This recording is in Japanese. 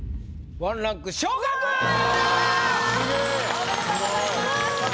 おめでとうございます。